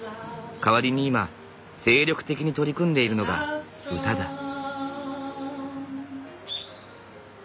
代わりに今精力的に取り組んでいるのが歌だ。